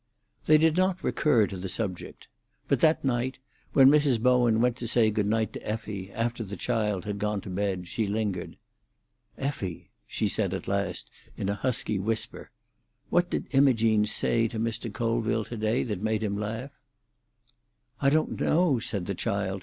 They did not recur to the subject. But that night, when Mrs. Bowen went to say good night to Effie, after the child had gone to bed, she lingered. "Effie," she said at last, in a husky whisper, "what did Imogene say to Mr. Colville to day that made him laugh?" "I don't know," said the child.